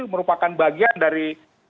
merupakan bagian dari